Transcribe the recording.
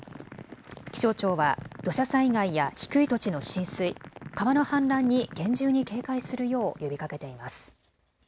気象庁は土砂災害や低い土地の浸水、川の氾濫に厳重に警戒するよう呼びかけています。